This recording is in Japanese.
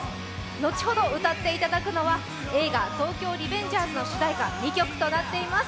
後ほど歌っていただくのは映画「東京リベンジャーズ」の主題歌２曲となっています。